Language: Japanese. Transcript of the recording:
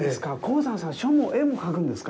鴻山さん、書も絵もかくんですか！？